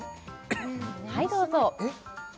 はいどうぞえっ！？